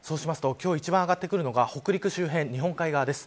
今日一番上がってくるのは北陸周辺、日本海側です。